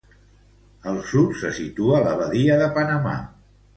Al sud se situa la Badia de Panamà.